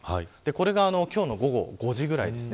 これが今日の午後５時ぐらいです。